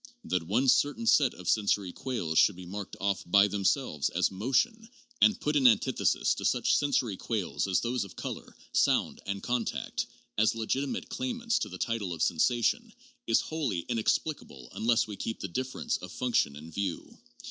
That one certain set of sensory quales should be marked off by themselves as ' motion ' and put in antithesis to such sensory quales as those of color, sound and contact, as legitimate claimants to the title of sensation, is wholly inexplicable unless we keep the differ ence of function in view.